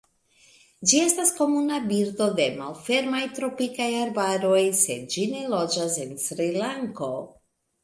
Ĝi estas komuna birdo de malfermaj tropikaj arbaroj, sed ĝi ne loĝas en Srilanko.